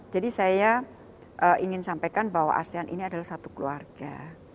jadi saya ingin sampaikan bahwa asean ini adalah satu keluarga